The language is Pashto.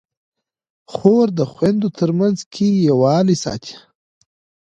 خور د خویندو منځ کې یووالی ساتي.